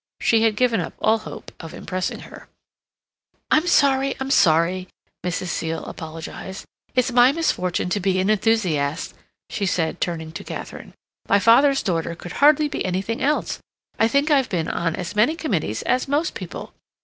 She had given up all hope of impressing her. "I'm sorry, I'm sorry," Mrs. Seal apologized. "It's my misfortune to be an enthusiast," she said, turning to Katharine. "My father's daughter could hardly be anything else. I think I've been on as many committees as most people.